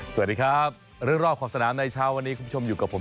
สวัสดีครับเรื่องรอบของสนามในเช้าวันนี้คุณผู้ชมอยู่กับผม